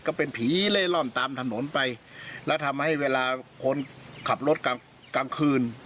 ก็เป็นผีเล่ร่อนตามถนนไปแล้วทำให้เวลาคนขับรถกลางกลางคืน